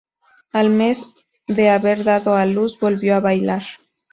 Al mes de haber dado a luz volvió a bailar.